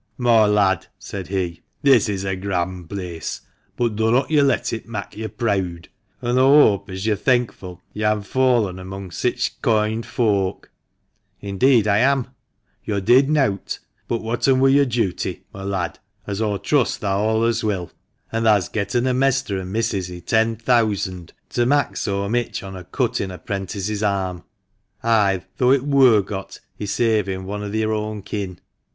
" Moi lad," said he, " this is a grand place, but dunnot yo' let it mak' yo' preawd ; an' aw hope as yo'r thenkful yo'han fallen among sich koind folk." "Indeed I am." "Yo' did nowt but whatn wur yo'r duty, moi lad, as aw trust thah allays wilt ; and thah's getten a mester an' missis i* ten theawsand, to mak' so mich on a cut in a 'prentice's arm — ay, tho it wur got i' savin' one o' theer own kin